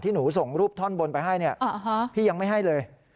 ที่หนูส่งรูปท่อนบนไปให้พี่ยังไม่ให้เลย